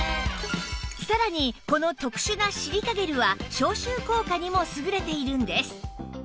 さらにこの特殊なシリカゲルは消臭効果にも優れているんです